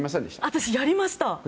私、やりました。